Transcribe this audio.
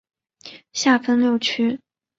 下分六区。